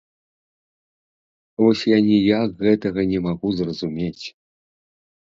Вось я ніяк гэтага не магу зразумець.